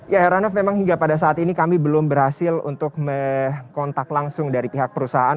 ya heranov memang hingga pada saat ini kami belum berhasil untuk kontak langsung dari pihak perusahaan